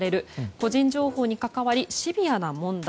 個人情報に関わりシビアな問題。